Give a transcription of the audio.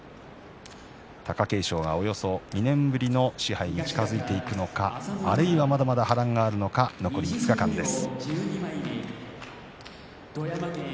貴景勝がおよそ２年ぶりの賜盃に近づいていくのかあるいは、まだまだ波乱があるのか残り５日間です。